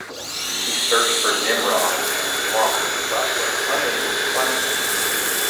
He searched for "Nimrod" and "Walker", but was unable to find them.